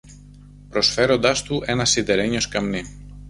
προσφέροντάς του ένα σιδερένιο σκαμνί.